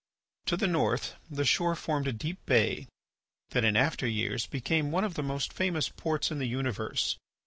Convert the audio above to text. To the north the shore formed a deep bay that in after years became one of the most famous ports in the universe.